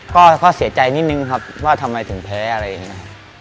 ก็เสียใจนิดนึงครับว่าทำไมถึงแพ้อะไรอย่างนี้นะครับ